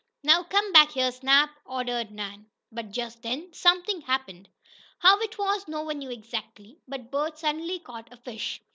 "Now come back here, Snap!" ordered Nan. But just then something happened. How it was no one knew exactly, but Bert suddenly caught a fish.